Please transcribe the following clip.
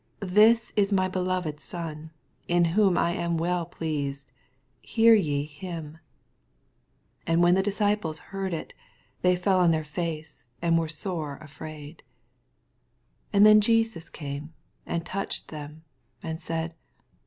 This is my beloved Son, in whom I am well pleased ; hear ye him. 6 And when the disciples heard U, they fell on their &ce, and were sore afraid. 7 And Jesus came and touched them and said.